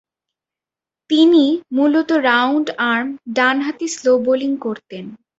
তিনি মূলতঃ রাউন্ড-আর্ম ডানহাতি স্লো বোলিং করতেন।